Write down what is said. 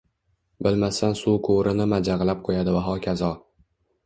Bilmasdan suv quvurini majagʻlab qoʻyadi va hokazo.